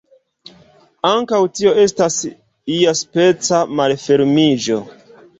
Ankaŭ tio estas iaspeca malfermiĝo.